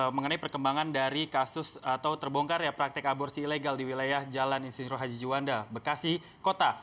mengenai perkembangan dari kasus atau terbongkar ya praktek aborsi ilegal di wilayah jalan insinru haji juanda bekasi kota